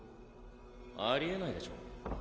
ありえないでしょ。